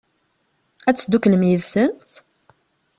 Ad tedduklem yid-sent?